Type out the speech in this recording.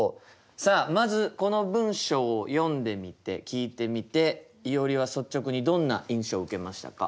さあまずこの文章を読んでみて聞いてみていおりは率直にどんな印象を受けましたか？